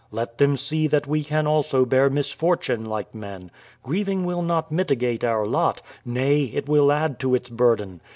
"Let them see that we can also bear misfortune like men. Grieving will not mitigate our lot, nay, it will add to its burden.